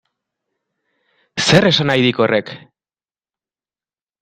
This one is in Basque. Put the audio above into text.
Zer esan nahi dik horrek?